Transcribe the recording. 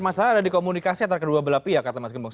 mas ada dikomunikasi antara kedua belah pihak kata mas gembong